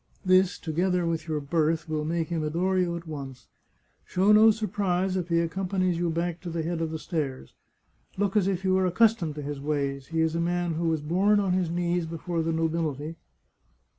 This, together with your birth, will make him adore you at once. Show no surprise if he accompanies you back to the head of the stairs ; look as if you were accustomed to his ways — he is a man who was born on his knees before the nobility.